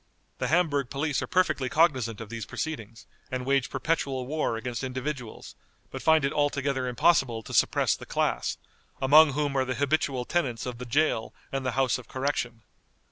The Hamburg police are perfectly cognizant of these proceedings, and wage perpetual war against individuals, but find it altogether impossible to suppress the class, among whom are the habitual tenants of the jail and the House of Correction.